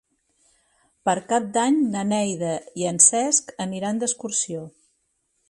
Per Cap d'Any na Neida i en Cesc aniran d'excursió.